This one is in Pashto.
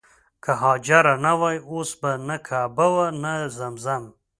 که حاجره نه وای اوس به نه کعبه وه نه زمزم.